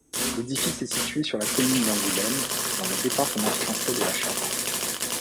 L'édifice est situé sur la commune d'Angoulême, dans le département français de la Charente.